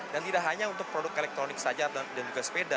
dan tidak hanya untuk produk elektronik saja dan juga sepeda